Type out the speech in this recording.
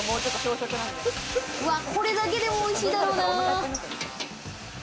これだけで美味しいだろうな。